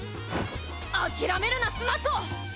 諦めるなスマット！